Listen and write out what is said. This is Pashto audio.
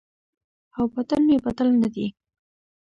او باطن مې بدل نه دی